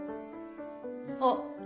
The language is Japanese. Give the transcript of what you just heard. あっ。